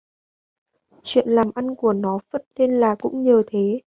Truyện làm ăn của nó phất lên là cũng nhờ thế